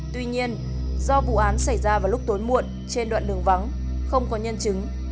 tuy nhiên do vụ án xảy ra vào lúc tối muộn trên đoạn đường vắng không có nhân chứng